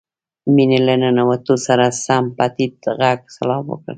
مينې له ننوتو سره سم په ټيټ غږ سلام وکړ.